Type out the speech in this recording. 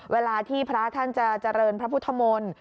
เวลาที่พระท่านจะเจริญพระพุทธมนตร์